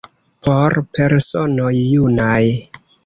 Por personoj junaj!